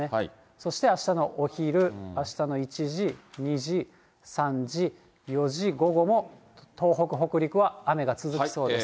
そして、あしたのお昼、あしたの１時、２時、３時、４時、午後も東北、北陸は雨が続きそうです。